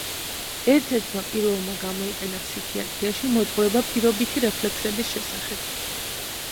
ერთ-ერთმა პირველმა გამოიყენა ფსიქიატრიაში მოძღვრება პირობითი რეფლექსების შესახებ.